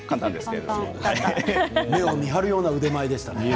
目を見張るような腕前でしたね。